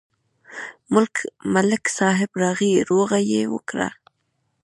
ملک صاحب راغی، روغه یې وکړه.